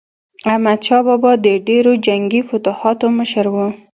احمدشاه بابا د ډیرو جنګي فتوحاتو مشر و.